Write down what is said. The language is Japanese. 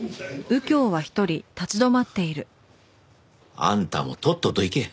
あんたもとっとと行け。